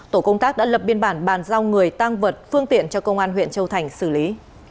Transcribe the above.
tổ công tác đã lập biên bản bàn giao người tăng vật phương tiện cho công an huyện châu thành xử lý